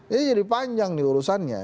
ini jadi panjang nih urusannya